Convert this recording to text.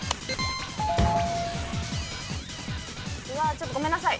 ちょっとごめんなさい。